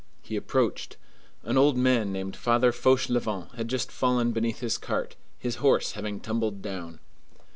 He approached. An old man named Father Fauchelevent had just fallen beneath his cart, his horse having tumbled down.